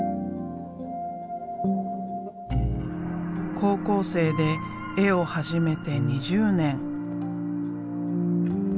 高校生で絵を始めて２０年。